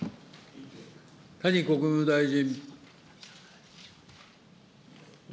谷国務大臣。